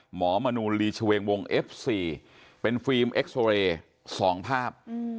มนูลีชเวงวงเอฟซีเป็นฟิล์มเอ็กซอเรย์๒ภาพ